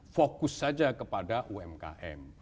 fokus saja kepada umkm